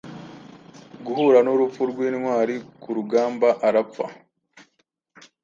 guhura nurupfu rwintwari kurugambaarapfa